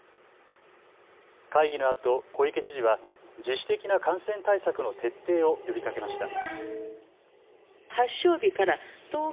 会議のあと小池知事は自主的な感染対策の徹底を呼びかけました。